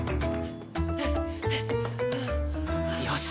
よし。